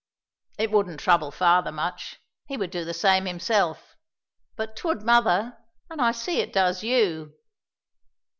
"It wouldn't trouble father much; he would do the same himself; but 'twould mother, and I see it does you."